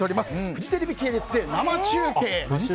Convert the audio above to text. フジテレビ系列で生中継。